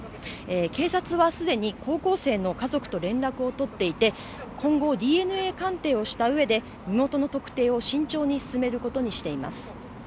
警察はすでに高校生の家族と連絡を取っていて今後、ＤＮＡ鑑定をしたうえで身元の特定を慎重に進めることにしています。